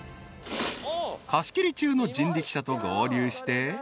［貸し切り中の人力車と合流して］